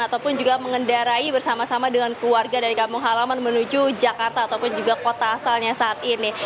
ataupun juga mengendarai bersama sama dengan keluarga dari kampung halaman menuju jakarta ataupun juga kota asalnya saat ini